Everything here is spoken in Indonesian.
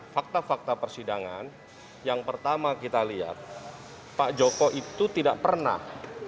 fakta fakta persidangan yang pertama kita lihat pak joko itu tidak pernah